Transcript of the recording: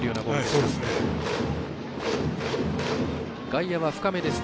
外野は深めです。